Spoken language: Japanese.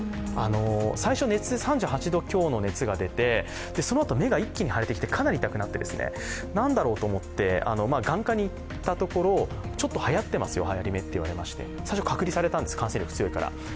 最初、熱３８度強の熱が出て、その後、目が腫れてかなり痛くなって、なんだろうと思って眼科に行ったところ、ちょっとはやってますよ、はやり目と言われまして、最初隔離されたんです、感染力が強いから。